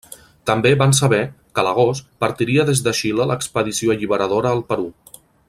També van saber que, a l'agost, partiria des de Xile l'expedició alliberadora al Perú.